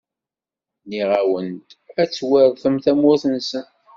Nniɣ-awen-d: Ad tweṛtem tamurt-nsen.